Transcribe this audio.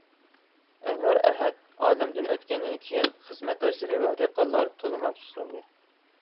ئەنۋەر ئەھەت ئالەمدىن ئۆتكەندىن كېيىن خىزمەتداشلىرى ۋە دېھقانلار تولىمۇ ئەپسۇسلاندى.